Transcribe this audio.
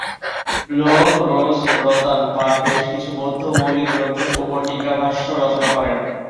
ব্লো-গ্রোস-ব্র্তান-পা বেশ কিছু বৌদ্ধ মৌলিক গ্রন্থের ওপর টীকাভাষ্য রচনা করেন।